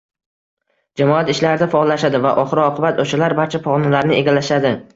jamoat ishlarida «faollashadi» va oxir-oqibat o‘shalar barcha pog‘onalarni egallashadi.